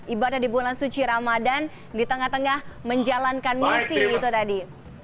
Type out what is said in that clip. ibadah di bulan suci ramadan di tengah tengah menjalankan misi itu tadi